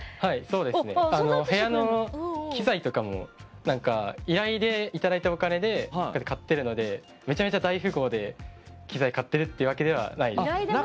部屋の機材とかもなんか、依頼でいただいたお金で買ってるのでめちゃくちゃ大富豪で機材買っているっていうわけではない。